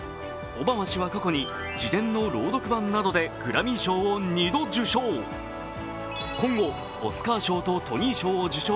オバマ氏は過去に自伝の朗読版などでグラミー賞を２度受賞。